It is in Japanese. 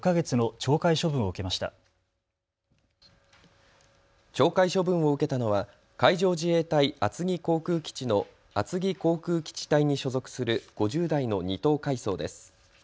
懲戒処分を受けたのは海上自衛隊厚木航空基地の厚木航空基地隊に所属する５０代の２等海曹です。